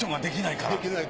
できないから。